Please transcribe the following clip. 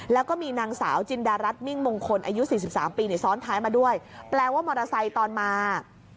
แล้วก็มีนางสาวจินดารัฐมิ่งมงคลอายุ๔๓ปีเนี่ยซ้อนท้ายมาด้วยแปลว่ามอเตอร์ไซค์ตอนมา